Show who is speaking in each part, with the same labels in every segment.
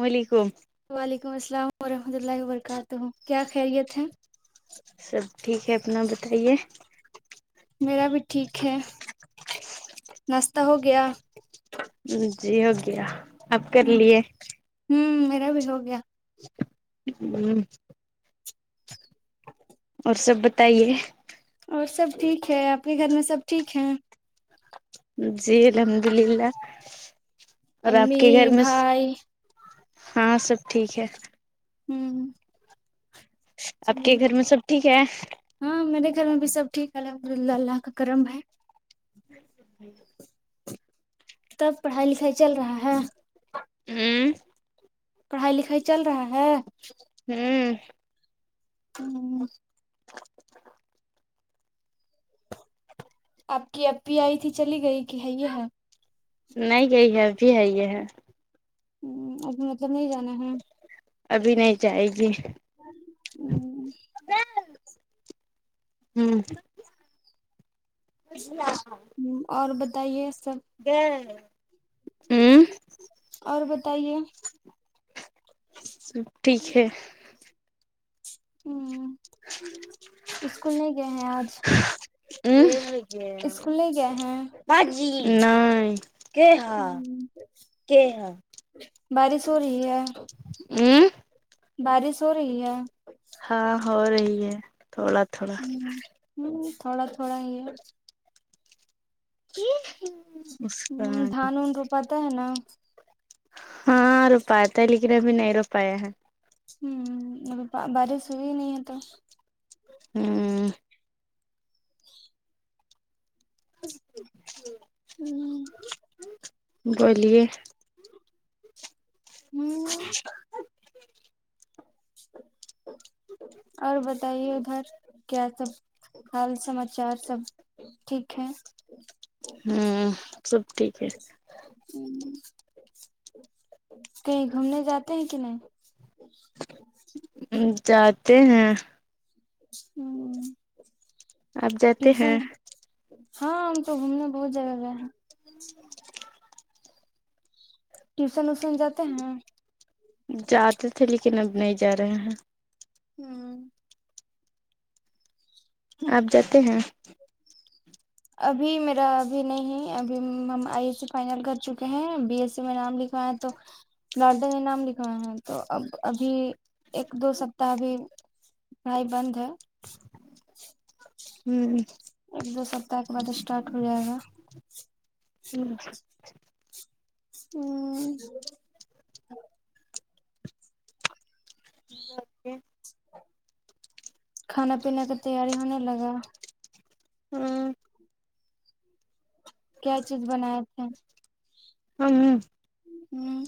Speaker 1: ولیکم
Speaker 2: وعلیکم السلام ورحمۃ اللہ وبرکاتہ کیا خیریت ہے
Speaker 1: سب ٹھیک ہے اپنا بتائیے
Speaker 2: میرا بھی ٹھیک ہے ناشتہ ہو گیا
Speaker 1: جی ہو گیا آپ کر
Speaker 2: ہ
Speaker 1: لیے
Speaker 2: ہوں میرا بھی ہو گیا
Speaker 1: [inaudible]
Speaker 2: [inaudible]
Speaker 1: اور سب بتائیے
Speaker 2: اور سب ٹھیک ہے آپ کے گھر میں سب ٹھیک ہے
Speaker 1: جی الحمد للہ اور آپ
Speaker 2: امی
Speaker 1: کے گھر میں
Speaker 2: بھائی
Speaker 1: ہاں سب ٹھیک ہے
Speaker 2: ہوں
Speaker 1: آپ کے
Speaker 2: چلیے
Speaker 1: گھر میں سب ٹھیک ہے
Speaker 2: ہاں میرے گھر میں بھی سب ٹھیک ہے الحمد اللہ اللہ کا کرم ہے
Speaker 1: جی
Speaker 2: تب پڑھائی لکھائی چل رہا ہے
Speaker 1: ہوں
Speaker 2: پڑھائی لکھائی چل رہا ہے
Speaker 1: ہوں
Speaker 2: ہوں آپ کی اپی آئی تھی چلی گئی کی ہے یہاں
Speaker 1: نہیں گئی ہے ابھی ہے یہ ہے
Speaker 2: ہوں اب مطلب نہیں جانا ہے
Speaker 1: ابھی نہیں جائے گی
Speaker 2: ہوں
Speaker 1: ہوں جی ہاں
Speaker 2: اور بتائیے سب
Speaker 1: گئے ہوں
Speaker 2: اور بتائیے
Speaker 1: ٹھیک ہے
Speaker 2: ہوں اسکول نہیں گئے ہیں آج
Speaker 1: ہوں گ
Speaker 2: اسکول نہیں گئے ہیں
Speaker 1: باجی نہیں کہ
Speaker 2: ہ
Speaker 1: ہاں
Speaker 2: [inaudible]
Speaker 1: کہ ہا
Speaker 2: بارش ہو رہی ہے
Speaker 1: ہوں
Speaker 2: بارش ہو رہی ہے
Speaker 1: ہاں ہو رہی ہے تھوڑا تھوڑا
Speaker 2: ہوں تھوڑا تھوڑا ہی ہے
Speaker 1: کہ ہاں
Speaker 2: ہ دھان اون پتا ہے نا
Speaker 1: ہاں رو پایا لیکن ابھی نہیں رو پایا ہے
Speaker 2: ہوں ابی بارش ہوئی نہیں ہے تو
Speaker 1: ہوں
Speaker 2: [inaudible] ہوں
Speaker 1: بولیے
Speaker 2: ہوں [inaudible] اور بتائیے ادھر کیا سب حال سماچار سب ٹھیک ہے
Speaker 1: ہوں سب ٹھیک ہے
Speaker 2: ہوں کہیں گھومنے جاتے ہیں کہ نہیں
Speaker 1: جاتے ہیں
Speaker 2: ہوں
Speaker 1: آپ جاتے
Speaker 2: ٹیشن
Speaker 1: ہیں
Speaker 2: ہاں ہم تو گھومنے بہت جگہ گیا ہے ٹیوشن ویوسن جاتے ہیں
Speaker 1: جاتے تھے لیکن اب نہیں جا رہے ہیں
Speaker 2: ہمم
Speaker 1: آپ جاتے ہیں
Speaker 2: ابھی میرا ابھی نہیں ابھی ہم آئی ایس سی فائنل کر چکے ہیں بی ایس سی میں نام لکھ ہاں تو لارڈن یہ نام لکھوا ہیں تو اب ابھی ایک دو سپتاح ابھی پڑھائی بند ہے
Speaker 1: ہوں
Speaker 2: ایک دو سپتاح کے بعد اسٹارٹ ہو جائے گا
Speaker 1: [unintelligible]
Speaker 2: ہوں [inaudible] کھانا پینے کا تیاری ہونے لگا
Speaker 1: ہوں
Speaker 2: کیا چیز بنائے تھے
Speaker 1: ہم
Speaker 2: ہوں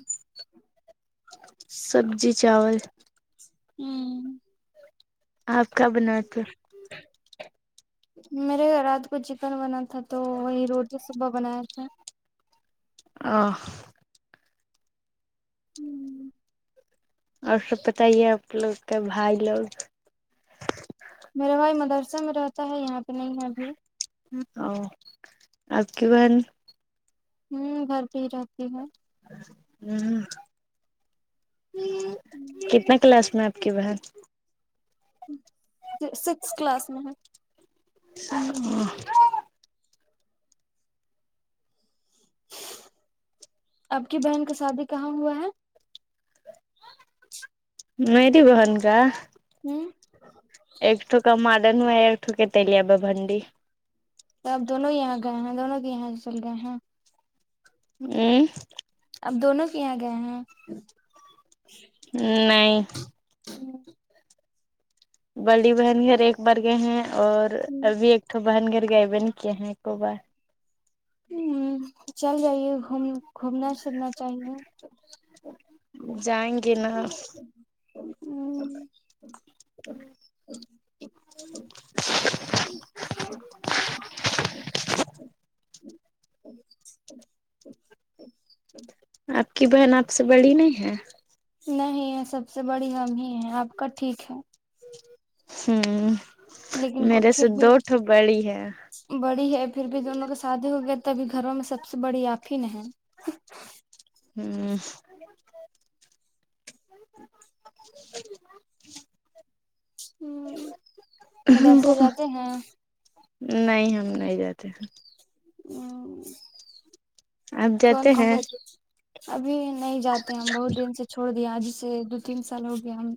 Speaker 1: سبزی چاول
Speaker 2: ہوں
Speaker 1: آپ کیا بناے تھے
Speaker 2: [unintelligible] میرے گھر رات کو چکن بنا تھا تو وہی روٹی صبح بنایا تھا
Speaker 1: آہ اور سب پتا یہ آپ لوگ کے بھائی لوگ
Speaker 2: میرا بھائی مدرسہ میں رہتا ہے یہاں پہ نہیں ہے ابھی
Speaker 1: او آپ کی بہن
Speaker 2: ہمم گھر پہ ہی رہتی ہے
Speaker 1: ہمم کتنا کلاس میں آپ کی بہن
Speaker 2: سکس کلاس میں ہے
Speaker 1: ہمم
Speaker 2: آپ کی بہن کا شادی کہاں ہوا ہے
Speaker 1: میری بہن کا
Speaker 2: ہوں
Speaker 1: ایک وکا مادن ہو ہے ایکٹھوک تلییاب بھنڈی
Speaker 2: تب دونوں یہاں گئے ہیں دونوں کے یہاں چل گئے ہیں
Speaker 1: ھمم
Speaker 2: اب دونوں کے یہاں گئے ہیں
Speaker 1: نہیں
Speaker 2: ہمم
Speaker 1: بڑی بہن گھر ایک بار گئے ہیں اور ابھی ایک بہن گھر گئے بہن کی ہیں روبہ
Speaker 2: ہمم چل جائیے گوم گھومنا پہرنا چاہیے ہوں
Speaker 1: جائیں گے نا ہوں ہوں
Speaker 2: [inaudible]
Speaker 1: آپ کی بہن آپ سے بڑی نہیں ہے
Speaker 2: نہیں یہ سب سے بڑی ہم ہی ہیں آپ کا ٹھیک ہے
Speaker 1: ہوں
Speaker 2: لیکن
Speaker 1: میرے سے
Speaker 2: پھر بھی
Speaker 1: دو تو بڑی ہے
Speaker 2: بڑی ہے پھر بھی دونوں کے شادی ہو گیا تبھی گھروں میں سب سے بڑی آپ ہی نے ہے
Speaker 1: ہوں
Speaker 2: [inaudible]
Speaker 1: [inaudible]
Speaker 2: ہوں مدرسہ جاتے ہیں
Speaker 1: نہیں ہم نہیں جاتے ہیں
Speaker 2: ہوں
Speaker 1: آپ
Speaker 2: کون
Speaker 1: جاتے
Speaker 2: س
Speaker 1: ہیں
Speaker 2: ابھی نہیں جاتے ہم بہت دن سے چھوڑ دیا آج سے دو تین سال ہو گیا ہم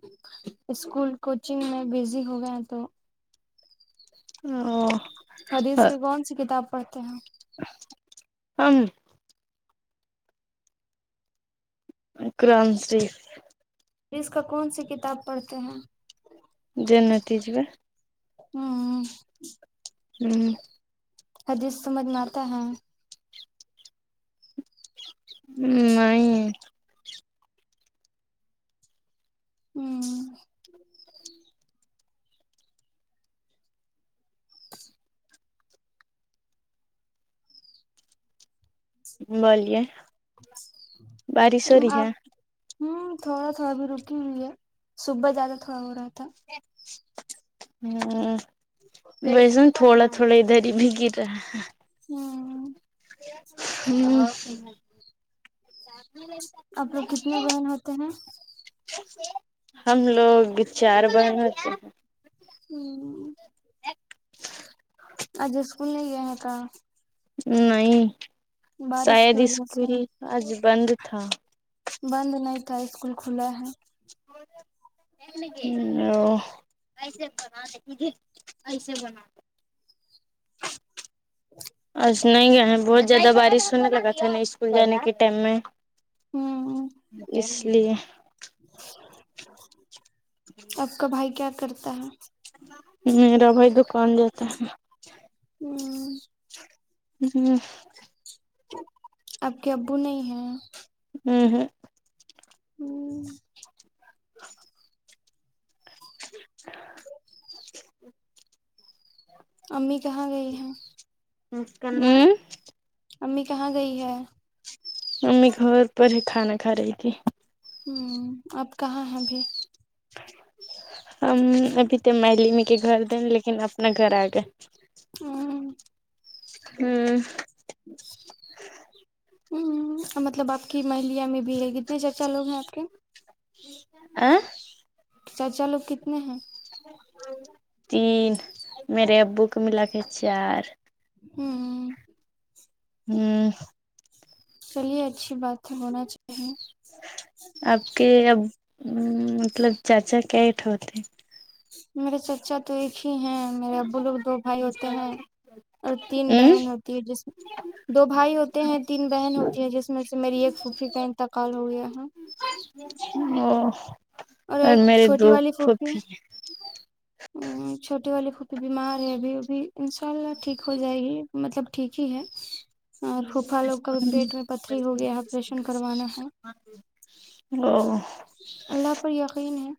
Speaker 2: اسکول کوچنگ میں بزی ہو گئے ہیں تو
Speaker 1: او ہو
Speaker 2: حدیث کی کون سی کتاب پڑھتے ہیں آپ
Speaker 1: ہم قرآن شریف
Speaker 2: اس کا کون سی کتاب پڑھتے ہیں
Speaker 1: جنتی ج میں
Speaker 2: ہوں
Speaker 1: ہوں
Speaker 2: حدیث سمجھ میں آتا ہے
Speaker 1: ہ نہیں
Speaker 2: ہوں
Speaker 1: بولیے بارش ہو رہی
Speaker 2: آپ
Speaker 1: ہے
Speaker 2: ہوں تھوڑا تھوڑا ابھی رکی ہوئی ہے صبح زیادہ تھوڑا ہو رہا تھا
Speaker 1: ہ ویسن تھوڑا تھوڑا ادھر ہی بھی گر رہا ہ
Speaker 2: ہوں
Speaker 1: [unintelligible]
Speaker 2: آپ لوگ کتنے بہن ہوتے ہیں
Speaker 1: ہم لوگ بھی چار بہن ہوتے ہیں
Speaker 2: ہوں آج اسکول نہیں گے ہے کا
Speaker 1: نہیں
Speaker 2: بارش
Speaker 1: شاید
Speaker 2: کی وجہ سے
Speaker 1: اسکول آج بند تھا
Speaker 2: بند نہیں تھا اسکول کھلا ہے
Speaker 1: [inaudible] ہوں آ
Speaker 2: [inaudible]
Speaker 1: آج نہیں گئے ہیں بہت زیادہ بارش ہونے لگا تھا نا اسکول جانے کے ٹائم میں
Speaker 2: ہوں
Speaker 1: اس لیے
Speaker 2: [inaudible]
Speaker 1: ہ [inaudible]
Speaker 2: آپ کا بھائی کیا کرتا ہے
Speaker 1: میرا بھائی دکان جاتا ہے
Speaker 2: ہوں
Speaker 1: جی
Speaker 2: آپ کے ابو نہیں ہیں
Speaker 1: ہے ہے
Speaker 2: ہوں
Speaker 1: ا
Speaker 2: امی کہاں گئے ہیں
Speaker 1: ہوں
Speaker 2: امی کہاں گئی ہے
Speaker 1: ممی گھر پر ہی کھانا کھا رہی تھی
Speaker 2: ہوں اپ کہاں ہیں ابھی
Speaker 1: ہم ابھی تو ملی میں کے گھر دیں لیکن اپنا گھر آ گئے
Speaker 2: ہوں
Speaker 1: ہوں
Speaker 2: ج ہمم مطلب آپ کی مہلیا میں بھی ہے کتنے چچا لوگ ہیں آپ کے
Speaker 1: آ
Speaker 2: چاچا لوگ کتنے ہیں
Speaker 1: تین میرے ابو کو ملا کے ہے چار
Speaker 2: ہوں
Speaker 1: ہوں
Speaker 2: چلیے اچھی بات ہے ہونا چاہیے
Speaker 1: آپ کے اب مطلب چاچا کیٹ ہوتے
Speaker 2: میرے چچا تو ایک ہی ہیں میرے ابو لوگ دو بھائی ہوتے ہیں اور تین بہن ہوتی ہے جس دو بھائی ہوتے ہیں تین بہن ہوتی ہیں جس میں سے میری ایک پھوفھی کا انتقال ہو گیا ہے
Speaker 1: او اور
Speaker 2: ایک
Speaker 1: میرے
Speaker 2: چھوٹی
Speaker 1: دکھ خ ہی
Speaker 2: چھوٹے والے پھوپھی بیمار ہے ابھی ا بھی ان شاء اللہ ٹھیک ہو جائے گی مطلب ٹھیک ہی ہے اور پھوپھا لوگ کا بھی
Speaker 1: ہوں
Speaker 2: پیٹ میں پتھری ہو گیا آپریشن کروانا ہے
Speaker 1: او
Speaker 2: اللہ پر یقین ہے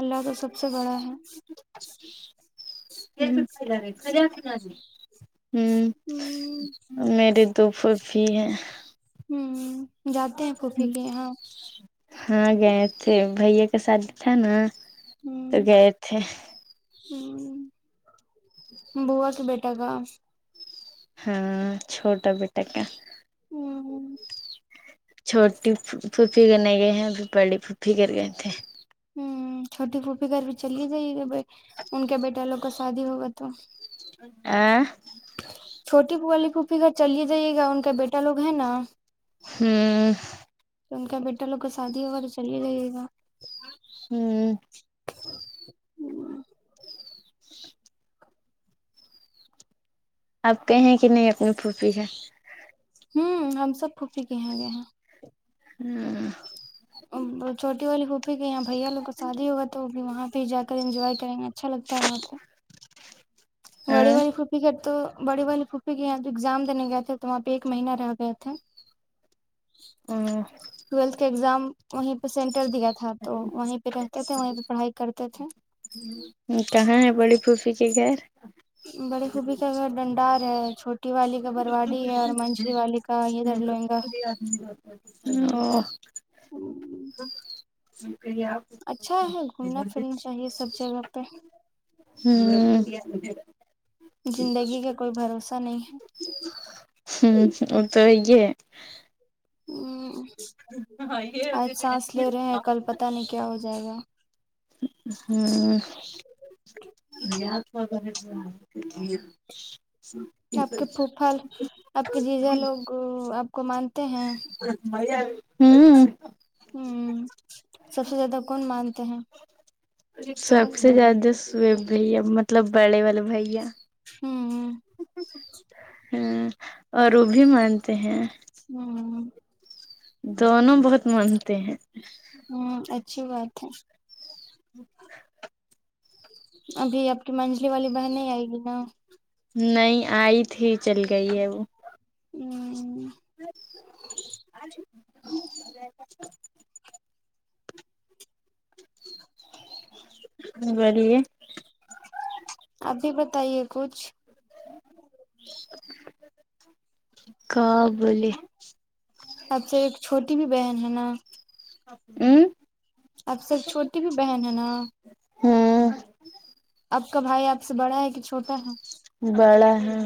Speaker 2: اللہ کا سب سے بڑا ہے
Speaker 1: ہوں
Speaker 2: ہ
Speaker 1: میرے دو پھوپھی ہیں
Speaker 2: ہوں جاتے ہیں پھوپھی کی ہاں
Speaker 1: ہاں گئے تھے بھائیا کا شادی تھا نا تو گئے تھے
Speaker 2: ہمم بوا کے بیٹا کا
Speaker 1: ہاں چھوٹا بیٹا کا
Speaker 2: ہوں
Speaker 1: چھوٹی پھوپھی کرنے گئے ہیں ابھی بڑی پھوپھی کر گئے تھے
Speaker 2: ہمم چھوٹی پھوپی گھر بھی چلی جائے گی ب ان کے بیٹا لوگ کا شادی ہوگا تو
Speaker 1: آ
Speaker 2: چھوٹی والی پوپی گھر چلے جائیے گا ان کا بیٹا لوگ ہے نا
Speaker 1: ہوں
Speaker 2: تو ان کا بیٹا لوگ کو شادی ہوگا تو چل ہی جایے گا
Speaker 1: ہوں آپ کہیں کہ نہیں اپنی پھوپھی ہے
Speaker 2: ہوں ہم سب پھوپھی کے یہاں گئے ہیں
Speaker 1: ہوں
Speaker 2: چوٹی والی پھوپھی کے یہاں بھیا والوں کو شادی ہوگیا تو وہ بھی وہاں پہ جا کر انجوائے کریں گے اچھا لگتا ہے وہاں پہ بڑی والڑی
Speaker 1: ہاں
Speaker 2: پھوپ ٹھیک ہے تو بڑی والی پھوپھی کے یہاں ایگزام دینے گئے تھے تو وہاں پہ ایک مہینہ رہ گیا تھے
Speaker 1: ہوں
Speaker 2: ٹویلتھ کا ایگزام وہیں پہ سینٹر دیا تھا تو وہیں پہ رہتے تھے وہیں پہ پڑھائی کرتے تھے
Speaker 1: کہاں ہے بڑی پھوپھی کا گھر
Speaker 2: بڑی پھوپھی کا گھر ڈنڈار ہے چھوٹی والی کا برواڈی ہے اور منجلی والی کا یہ ادھر لوئینگا
Speaker 1: او ہ شکریہ
Speaker 2: اچھا ہے گھومنا پھرنا چاہیے سب جگہ پہ
Speaker 1: ہمم
Speaker 2: زندگی کا کوئی بھروسہ نہیں ہے
Speaker 1: ہمم وہ تو یہ ہے
Speaker 2: ہوں آج سانس لے رہے ہیں کل پتا نہیں کیا ہو جائے گا
Speaker 1: ہمم [unintelligible]
Speaker 2: اپ کے پھو پھل اپ کے جیجا لوگ اپ کو مانتے ہیں
Speaker 1: ہمم
Speaker 2: ہمم سب سے زیادہ کون مانتے ہیں
Speaker 1: سب سے زیادہ شعیب بھیا مطلب بڑے والے بھیا
Speaker 2: ہوں
Speaker 1: ہاں اور وہ بھی مانتے ہیں
Speaker 2: ہوں
Speaker 1: دونوں بہت مانتے ہیں
Speaker 2: ہوں اچھی بات ہے ابھی آپ کی منجلی والی بہن نہیں آئے گی نا
Speaker 1: نہیں آئی تھی چل گئی ہے وہ
Speaker 2: ہوں
Speaker 1: بولیے
Speaker 2: آپ بھی بتائیے کچھ
Speaker 1: کا بولی
Speaker 2: اچھا ایک چھوٹی بھی بہن ہے نا
Speaker 1: امم
Speaker 2: اب سے ایک چھوٹی بھی بہن ہے نا
Speaker 1: ہوں
Speaker 2: آپ کا بھائی آپ سے بڑا ہے کہ چھوٹا ہے
Speaker 1: بڑا ہے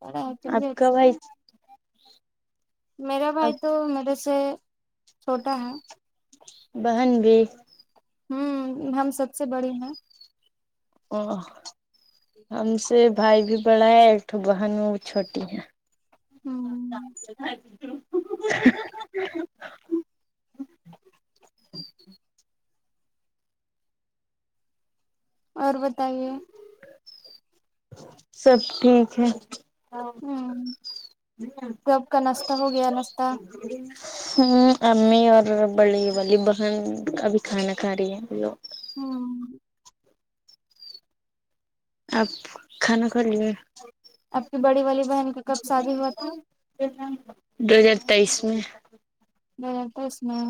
Speaker 2: بڑا ہے
Speaker 1: آپ
Speaker 2: چلیے
Speaker 1: کا
Speaker 2: اچھی
Speaker 1: بھائی
Speaker 2: بات میرا بھائی
Speaker 1: آپ
Speaker 2: تو میرے سے چھوٹا ہے
Speaker 1: بہن بھی
Speaker 2: ہوں ہم سب سے بڑے ہیں
Speaker 1: او ہم سے بھائی بھی بڑا ہے ایک بہن بھی وہ چھوٹی ہے
Speaker 2: ہوں
Speaker 1: [inaudible]
Speaker 2: اور بتائیے
Speaker 1: سب ٹھیک ہے
Speaker 2: ہوں سب کا ناشتہ ہو گیا ناشہ
Speaker 1: [inaudible] ہوں امی اور بڑی والی بہن ابھی کھانا کھاری ہے
Speaker 2: ہوں
Speaker 1: آپ کھانا کھا لیے
Speaker 2: آپ کی بڑی والی بہن کا کب شادی ہوا تھا
Speaker 1: دو ہزار تیئس میں
Speaker 2: نہیں اس میں